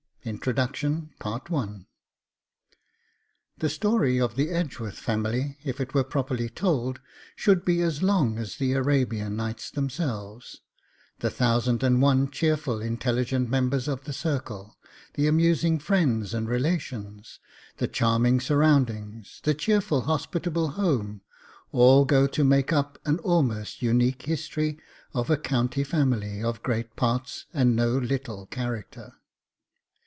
] INTRODUCTION I The story of the Edgeworth Family, if it were properly told, should be as long as the ARABIAN NIGHTS themselves; the thousand and one cheerful intelligent members of the circle, the amusing friends and relations, the charming surroundings, the cheerful hospitable home, all go to make up an almost unique history of a county family of great parts and no little character.